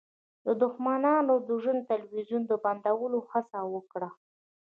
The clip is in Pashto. دښمنانو د ژوندون تلویزیون د بندولو هڅه وکړه